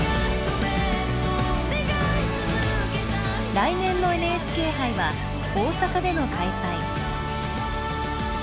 来年のＮＨＫ杯は大阪での開催。